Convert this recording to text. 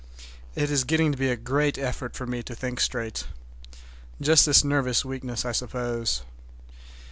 It is getting to be a great effort for me to think straight. Just this nervous weakness, I suppose.